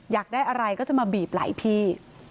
อยากได้อะไรก็จะมาบีบไหล่พี่